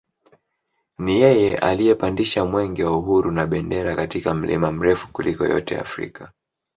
Ni yeye aliyepandisha mwenge wa uhuru na bendera katika mlima mrefu kuliko yote Afrika